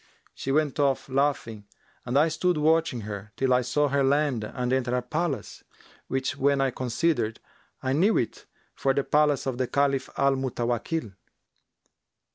She went off laughing, and I stood watching her, till I saw her land and enter a palace, which when I considered, I knew it for the palace of the Caliph Al Mutawakkil.